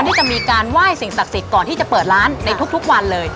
ที่จะมีการไหว้สิ่งศักดิ์สิทธิ์ก่อนที่จะเปิดร้านในทุกวันเลย